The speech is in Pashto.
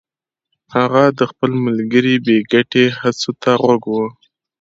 هغه د خپل ملګري بې ګټې هڅو ته غوږ و